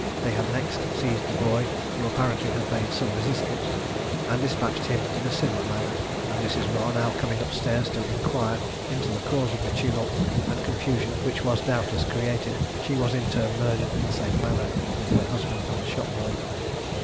They had next seized the boy, who apparently had made some resistance, and despatched him in a similar manner; and Mrs. Marr now coming up stairs to inquire into the cause of the tumult and confusion which was doubtless created, she was in turn murdered in the same manner with her husband and the shop boy.